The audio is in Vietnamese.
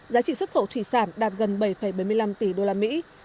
giá trị xuất khẩu thủy sản đạt gần bảy bảy mươi năm tỷ đô la mỹ